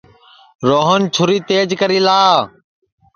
روہن چُھری تیج کرائی لا